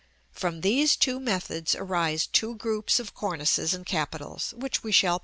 From these two methods arise two groups of cornices and capitals, which we shall pursue in succession.